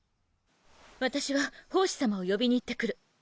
私は法師様を呼びに行ってくる。